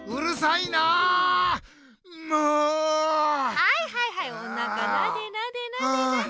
はいはいはいおなかなでなでなで。